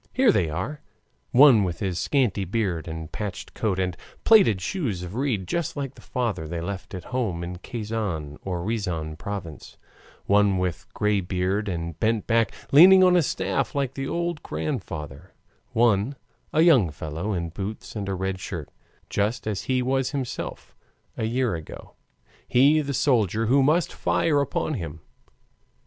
Here they are one with his scanty beard and patched coat and plaited shoes of reed, just like the father left at home in Kazan or Riazan province; one with gray beard and bent back, leaning on a staff like the old grandfather; one, a young fellow in boots and a red shirt, just as he was himself a year ago he, the soldier who must fire upon him.